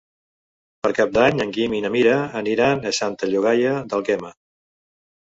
Per Cap d'Any en Guim i na Mira aniran a Santa Llogaia d'Àlguema.